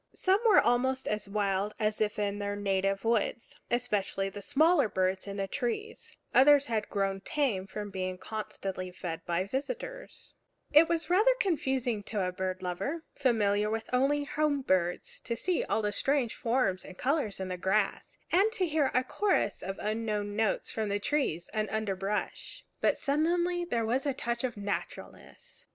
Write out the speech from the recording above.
Some were almost as wild as if in their native woods, especially the smaller birds in the trees; others had grown tame from being constantly fed by visitors. It was rather confusing to a bird lover, familiar only with home birds, to see all the strange forms and colors in the grass, and to hear a chorus of unknown notes from trees and underbrush. But suddenly there was a touch of naturalness.